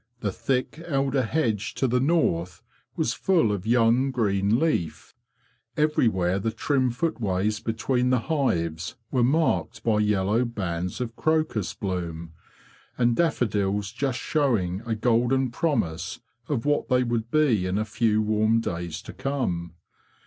The thick elder hedge to the north was full of young green leaf; everywhere the trim footways between the hives were marked by yellow bands of crocus bloom, and daffodils just showing a golden promise of what they would be in a few warm days to come.